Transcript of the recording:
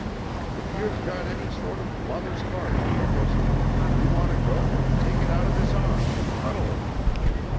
If you have got any sort of mother's heart in your bosom, you want to go and take it out of his arms and cuddle it.